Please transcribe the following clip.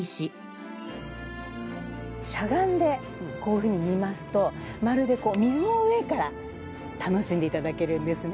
しゃがんでこういうふうに見ますとまるで水の上から楽しんで頂けるんですね。